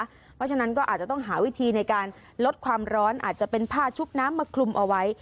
เพราะฉะนั้นก็อาจจะต้องหาวิธีในการลดความร้อนอาจจะเป็นผ้าชุบน้ำมาคลุมเอาไว้